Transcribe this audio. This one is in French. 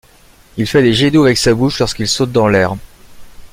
Il fait des jets d'eau avec sa bouche lorsqu'il saute dans l'air.